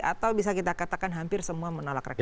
atau bisa kita katakan hampir semua menolak rekapi